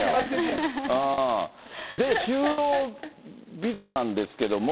就労ビザなんですけども。